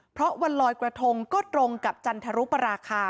เพราะวันลอยกระทงก็ตรงกับจันทรุปราคา